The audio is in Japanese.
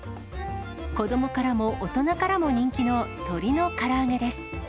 子どもからも大人からも人気の鶏のから揚げです。